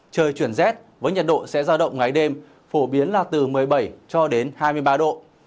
trời chuyển rét với nhiệt độ sẽ ra động ngay đêm phổ biến là từ một mươi bảy cho đến hai mươi ba độ